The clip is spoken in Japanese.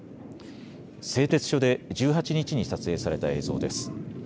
製鉄所で１８日に撮影された映像です。